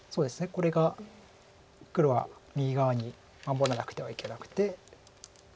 これが黒は右側に守らなくてはいけなくて。